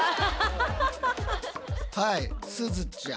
はいすずちゃん。